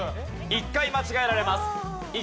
１回間違えられます。